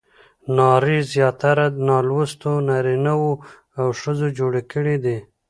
نارې زیاتره نالوستو نارینه وو او ښځو جوړې کړې دي.